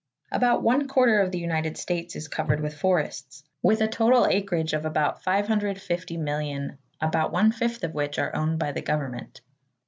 About one quarter of the United States is covered with forests, with a total acreage of about 550,000,000, about one fifth of which are owned by the Government.